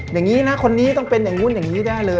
อย่างนี้นะคนนี้ต้องเป็นอย่างนู้นอย่างนี้ได้เลย